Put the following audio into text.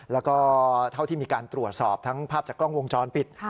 แล้วก็เท่าที่มีการตรวจสอบทั้งภาพจากกล้องวงจรปิด